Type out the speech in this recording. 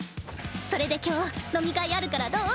それで今日飲み会あるからどう？